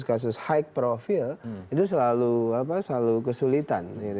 dengan kasus kasus high profile itu selalu kesulitan